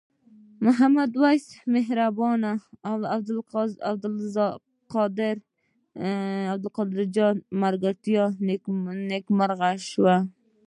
د محمد وېس مهربان او عبدالقاهر جان ملګرتیا نیکمرغه شوه.